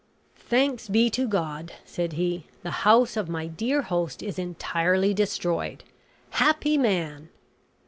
"Thanks be to God," said he, "the house of my dear host is entirely destroyed! Happy man!"